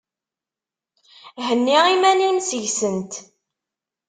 Henni iman-im seg-sent!